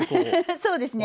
そうですね